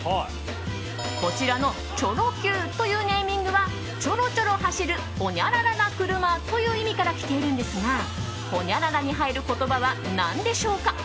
こちらのチョロＱというネーミングはチョロチョロ走るほにゃららな車という意味からきているんですがほにゃららに入る言葉は何でしょうか？